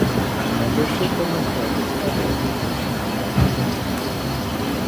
Membership in the club is by invitation only.